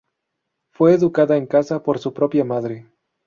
Fue educada en casa por su propia madre.